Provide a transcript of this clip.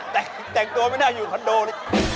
แต่จังตัวไม่น่าอยู่กับคอนโดน